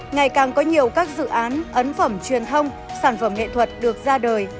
ngày càng có nhiều các dự án ấn phẩm truyền thông sản phẩm nghệ thuật được ra đời